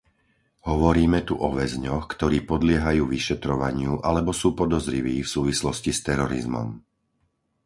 Hovoríme tu o väzňoch, ktorí podliehajú vyšetrovaniu alebo sú podozriví v súvislosti s terorizmom.